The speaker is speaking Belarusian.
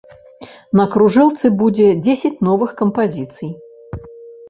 На кружэлцы будзе дзесяць новых кампазіцый.